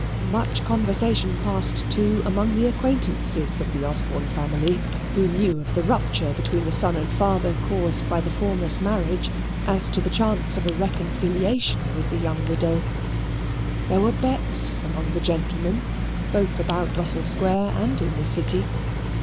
Much conversation passed too among the acquaintances of the Osborne family, who knew of the rupture between the son and father caused by the former's marriage, as to the chance of a reconciliation with the young widow. There were bets among the gentlemen both about Russell Square and in the City.